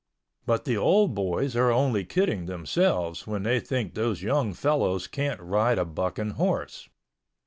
But the old boys are only kidding themselves when they think those young fellows can't ride a bucking horse.